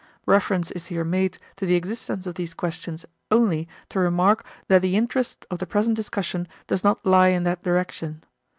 Reference is here made to the existence of these questions only to remark that the interest of the present discussion does not lie in that direction.